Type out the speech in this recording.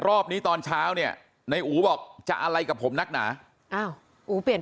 รอบนี้ตอนเช้าเนี่ยในอู๋บอกจะอะไรกับผมนักหนาอ้าวอู๋เปลี่ยน